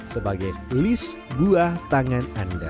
sebagai list buah tangan anda